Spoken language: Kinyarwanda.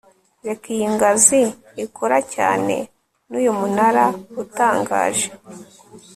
Reka iyi ngazi ikora cyane nuyu munara utangaje